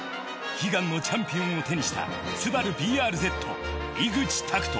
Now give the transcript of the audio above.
悲願のチャンピオンを手にしたスバルＢＲＺ井口卓人